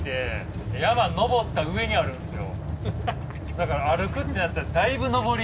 だから歩くってなったらだいぶのぼり。